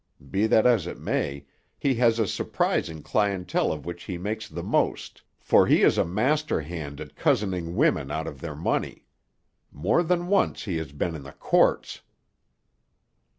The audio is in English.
Be that as it may, he has a surprising clientele of which he makes the most, for he is a master hand at cozening women out of their money. More than once he has been in the courts."